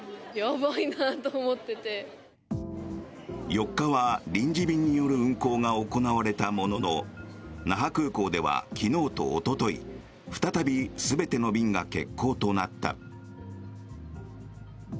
４日は臨時便による運航が行われたものの那覇空港では、昨日とおととい再び全ての便が欠航となった。